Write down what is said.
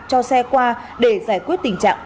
cho xe qua để giải quyết tình trạng